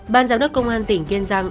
ban giám đốc công an tỉnh kiên giang